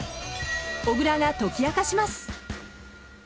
［小倉が解き明かします］